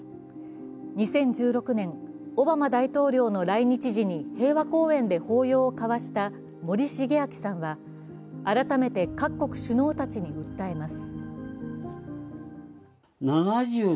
２０１６年、オバマ大統領の来日時に平和公園で抱擁を交わした森重明さんは、改めて各国首脳たちに訴えます。